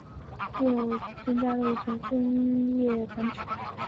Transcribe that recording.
在分段转址与物理地址之间又增加了一层分页转址。